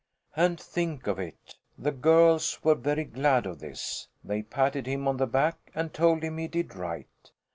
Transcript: And think of it! The girls were very glad of this. They patted him on the back and told him he did right.